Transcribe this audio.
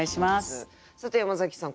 さて山崎さん